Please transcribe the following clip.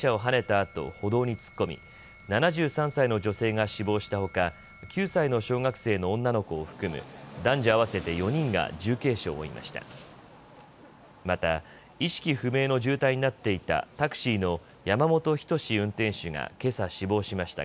あと歩道に突っ込み７３歳の女性が死亡したほか９歳の小学生の女の子を含む男女合わせて４人が重軽傷を負いました。